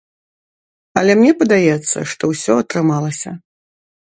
Але мне падаецца, што ўсё атрымалася.